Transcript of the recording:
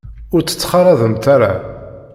Ur tt-ttxalaḍemt ara.